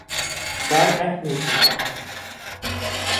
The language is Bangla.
তার এক মেয়ে সন্তান আছে।